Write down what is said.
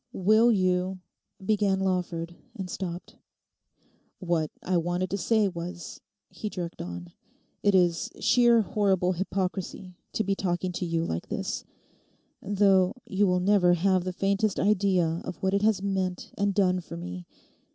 'Will you—' began Lawford, and stopped. 'What I wanted to say was,' he jerked on, 'it is sheer horrible hypocrisy to be talking to you like this—though you will never have the faintest idea of what it has meant and done for me.